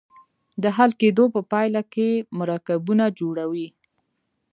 د حل کیدو په پایله کې مرکبونه جوړوي.